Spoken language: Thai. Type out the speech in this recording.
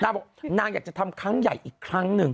บอกนางอยากจะทำครั้งใหญ่อีกครั้งหนึ่ง